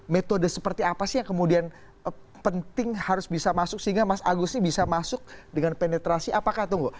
metode seperti apa sih yang kemudian penting harus bisa masuk sehingga mas agus ini bisa masuk dengan penetrasi apakah tunggu